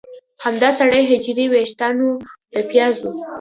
همدا سرې حجرې د ویښتانو د پیازو